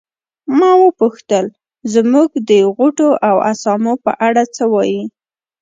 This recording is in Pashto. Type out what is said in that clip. ما وپوښتل زموږ د غوټو او اسامو په اړه څه وایې.